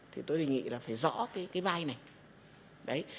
thì tôi đề nghị là phải rõ cái vai này đấy